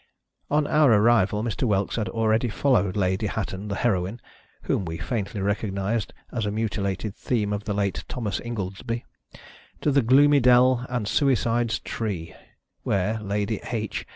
On our arrival, Mr. Whelks had already followed Lady Hatton the Heroine (whom we faintly recognized as a mu tilated theme of the late Thomas Im goldsbt) to the "Gloomy Dell and Suicide's Tree," where Lady H.